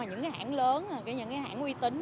những cái hãng lớn những cái hãng uy tín